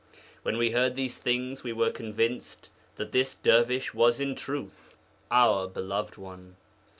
When we heard these things, we were convinced that this dervish was in truth our beloved one.